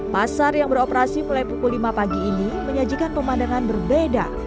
pasar yang beroperasi mulai pukul lima pagi ini menyajikan pemandangan berbeda